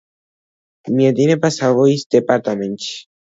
მიედინება სავოიის დეპარტამენტში.